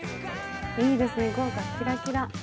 いいですね、今回キラキラ。